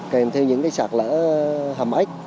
kèm theo những sạc lỡ hàm ếch